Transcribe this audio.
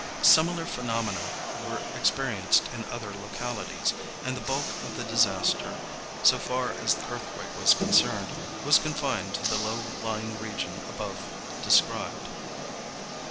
Similar phenomena were experienced in other localities, and the bulk of the disaster, so far as the earthquake was concerned, was confined to the low lying region above described.